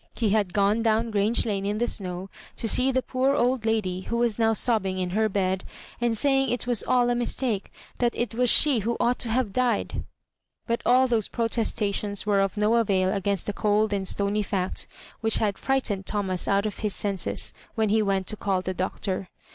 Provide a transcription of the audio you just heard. He had gone down Grange Lane in the snow, to see the poor old lady who was now sobbing in her bed, and saying it was all a mis take, and that it was she who ought to have died. But all those protestations were of no avail against the cold and stony fact whidi had frightened Thomas out of his senses, when he went to call the Doctor.